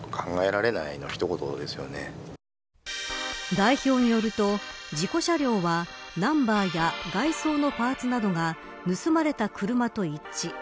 代表によると、事故車両はナンバーや外装のパーツなどが盗まれた車と一致。